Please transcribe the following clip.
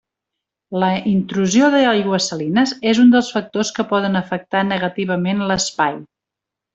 La intrusió d'aigües salines és un dels factors que poden afectar negativament l'espai.